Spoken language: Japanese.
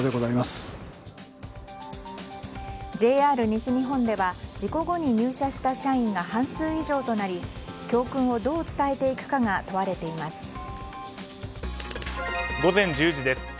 ＪＲ西日本では事故後に入社した社員が半数以上となり教訓をどう伝えていくかが午前１０時です。